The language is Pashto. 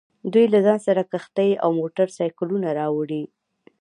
دوی له ځان سره کښتۍ او موټر سایکلونه راوړي